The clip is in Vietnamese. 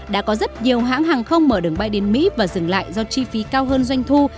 đã có rất nhiều hãng hàng không mở đường bay đến mỹ và dừng lại do chi phí cao hơn doanh thu